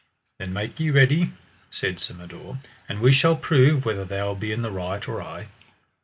Then make thee ready, said Sir Mador, and we shall prove whether thou be in the right or I.